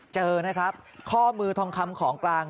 เจอนะครับข้อมือทองคำของกลาง